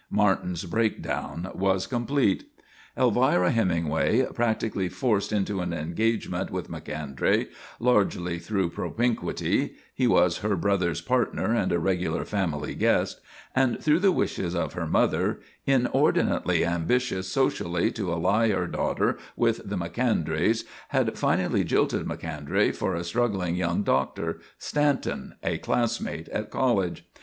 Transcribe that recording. Martin's breakdown was complete. Elvira Hemingway, practically forced into an engagement with Macondray largely through propinquity he was her brother's partner and a regular family guest and through the wishes of her mother, inordinately ambitious socially to ally her daughter with the Macondrays, had finally jilted Macondray for a struggling young doctor, Stanton, a classmate at college.